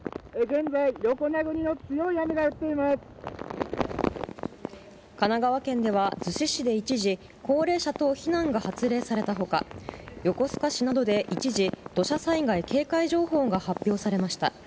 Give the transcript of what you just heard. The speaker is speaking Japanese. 現在、神奈川県では逗子市で一時、高齢者等避難が発令されたほか、横須賀市などで一時、土砂災害警戒情報が発表されました。